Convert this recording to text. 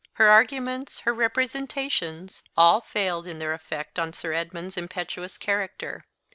Her arguments, her representations, all failed in their effect on Sir Edmund's impetuous character.